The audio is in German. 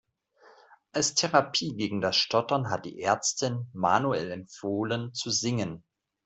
Als Therapie gegen das Stottern hat die Ärztin Manuel empfohlen zu singen.